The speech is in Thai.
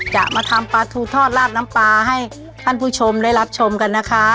จะมาทำปลาทูทอดลาดน้ำปลาให้ท่านผู้ชมได้รับชมกันนะคะ